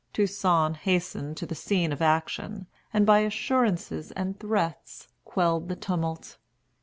Toussaint hastened to the scene of action, and by assurances and threats quelled the tumult.